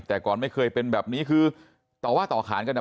แต่ก่อนไม่เคยเป็นแบบนี้คือต่อว่าต่อขานกันอ่ะ